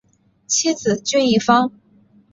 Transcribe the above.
妻子琚逸芳。